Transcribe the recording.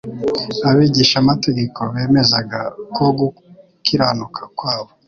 Abigishamategeko bemezaga ko gukiranuka kwabo